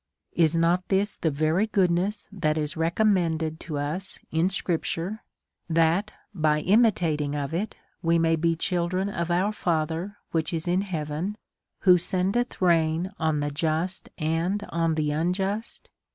Is not this the very goodness that is recommended to us in scrip ture, that, by imitating of it, we may be children of our Father who is in heaven, icho sendeth rain on the just and on the unjust?